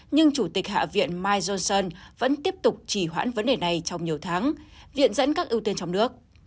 nhưng chủ tịch hạ viện mike johnson vẫn tiếp tục chỉ hoãn vấn đề này trong nhiều tháng viện dẫn các ưu tiên trong nước